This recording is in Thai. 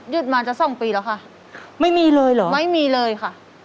ยึดมาจะสองปีแล้วค่ะไม่มีเลยค่ะไม่มีเลยค่ะไม่มีเลยค่ะ